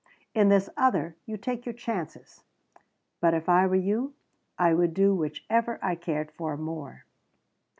In this other, you take your chances. But if I were you, I would do whichever I cared for more."